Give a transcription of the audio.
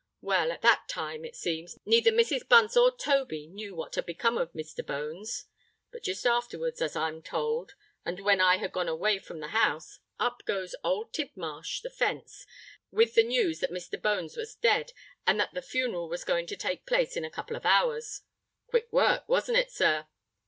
Well—at that time, it seems, neither Mrs. Bunce or Toby knew what had become of Mr. Bones: but just afterwards, as I'm told, and when I had gone away from the house, up goes old Tidmarsh, the fence, with the news that Mr. Bones was dead, and that the funeral was going to take place in a couple of hours. Quick work, wasn't it, sir?